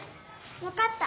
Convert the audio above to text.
わかった。